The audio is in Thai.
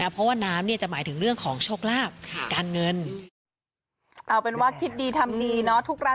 เพราะว่าน้ำเนี่ยจะหมายถึงเรื่องของโชคลาภการเงิน